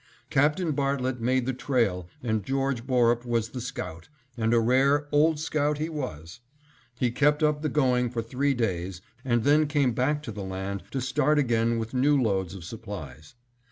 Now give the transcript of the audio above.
Captain Bartlett made the trail and George Borup was the scout, and a rare "Old Scout" he was. He kept up the going for three days and then came back to the land to start again with new loads of supplies.